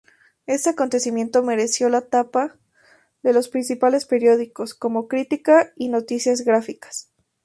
Este acontecimiento mereció la tapa de los principales periódicos, como Crítica y Noticias Gráficas.